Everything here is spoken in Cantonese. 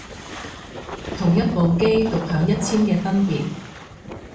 同一部機獨享一千嘅分別